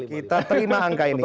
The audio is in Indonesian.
kita terima angka ini